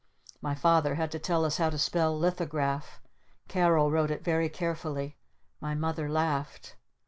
My Father had to tell us how to spell "Lithograph." Carol wrote it very carefully. My Mother laughed.